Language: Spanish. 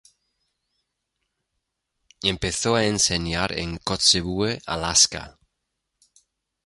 Empezó a enseñar en Kotzebue, Alaska.